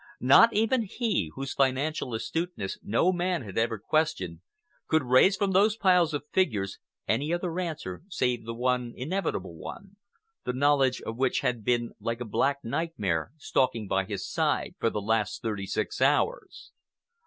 Not even he, whose financial astuteness no man had ever questioned, could raise from those piles of figures any other answer save the one inevitable one, the knowledge of which had been like a black nightmare stalking by his side for the last thirty six hours.